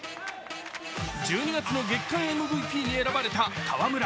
１２月の月間ＭＶＰに選ばれた河村。